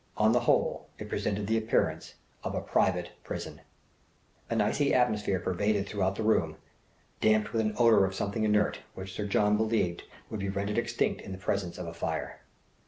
On the whole, it presented the appearance of a private prison. An icy atmosphere pervaded throughout the room, damped with an odour of something inert, which Sir John believed would be rendered extinct in the presence of a fire.